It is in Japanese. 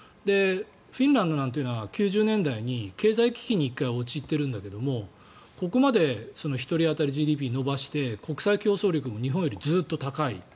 フィンランドなんていうのは９０年代に経済危機に１回陥っているんだけどここまで１人当たりＧＤＰを伸ばして国際競争力も日本よりずっと高い。